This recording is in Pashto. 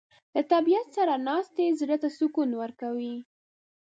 له طبیعت سره ناستې زړه ته سکون ورکوي.